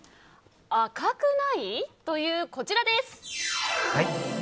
赤くない！というこちらです。